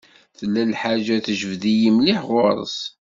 Tella lḥaǧa tejbed-iyi mliḥ ɣur-s.